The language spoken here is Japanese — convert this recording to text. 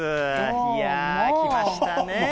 いやー、きましたね。